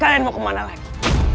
kalian mau kemana lagi